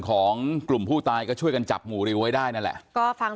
ของกลุ่มผู้ตายก็ช่วยกันจับหมู่ริวไว้ได้นั่นแหละก็ฟัง